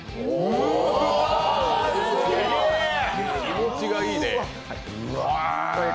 気持ちがいいね。